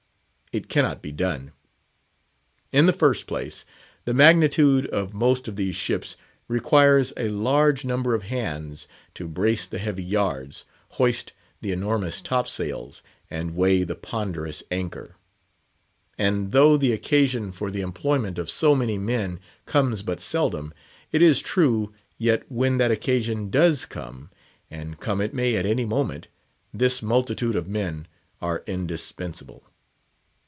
It cannot be done. In the first place, the magnitude of most of these ships requires a large number of hands to brace the heavy yards, hoist the enormous top sails, and weigh the ponderous anchor. And though the occasion for the employment of so many men comes but seldom, it is true, yet when that occasion does come—and come it may at any moment—this multitude of men are indispensable.